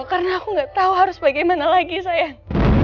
karena aku gak tau harus bagaimana lagi sayang